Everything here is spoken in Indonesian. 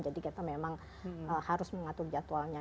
jadi kita memang harus mengatur jadwalnya